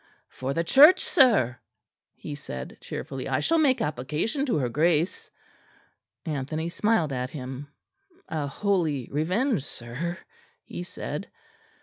"For the church, sir," he said cheerfully. "I shall make application to her Grace." Anthony smiled at him. "A holy revenge, sir," he said.